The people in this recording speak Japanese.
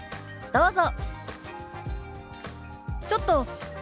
どうぞ。